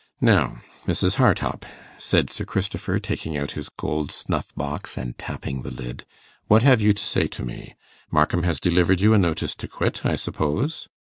'Now, Mrs. Hartopp,' said Sir Christopher, taking out his gold snuff box and tapping the lid, 'what have you to say to me? Markham has delivered you a notice to quit, I suppose?